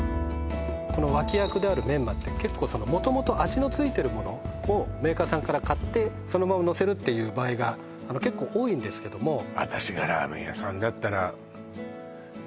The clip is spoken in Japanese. この脇役であるメンマって結構元々味の付いてるものをメーカーさんから買ってそのままのせるっていう場合が結構多いんですけどもと思っちゃうよね